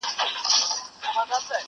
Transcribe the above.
• کورنۍ پټ عمل کوي د شرم,